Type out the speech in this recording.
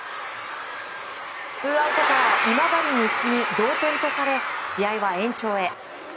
ツーアウトから今治西に同点とされ試合は延長へ。